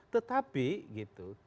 tetapi tidak menyepakat